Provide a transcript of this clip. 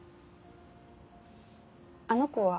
あの子は。